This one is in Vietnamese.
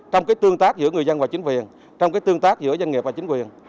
trong cái tương tác giữa người dân và chính quyền trong tương tác giữa doanh nghiệp và chính quyền